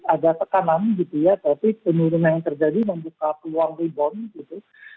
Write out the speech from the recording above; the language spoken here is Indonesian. ada tekanan tapi penurunan yang terjadi membuka peluang rebound